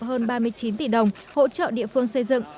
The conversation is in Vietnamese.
hơn ba mươi chín tỷ đồng hỗ trợ địa phương xây dựng